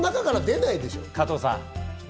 加藤さん